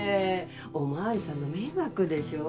お巡りさんの迷惑でしょ。